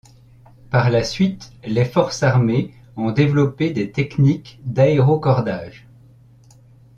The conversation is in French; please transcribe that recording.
Par la suite, les forces armées ont développé des techniques d'aérocordage.